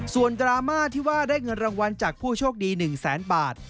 ส่วนดราม่าที่ว่าได้เงินรางวัลจากผู้โชคดี๑แสนบาท